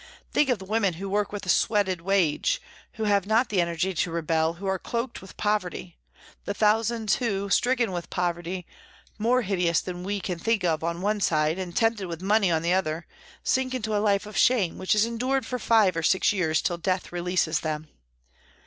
Think of the women who work with a sweated wage, who have not the energy to rebel, who are cloaked with poverty ; the thousands who, stricken with poverty more hideous than we can think of on one side, and tempted with money on the other, sink into a life of shame, which is endured for five or six years, till death releases them.